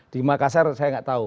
di makassar saya nggak tahu